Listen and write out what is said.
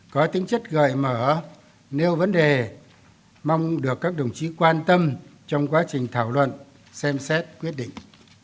có tính chất gợi mở nếu vấn đề mong được các đồng chí quan tâm trong quá trình thảo luận xem xét quyết định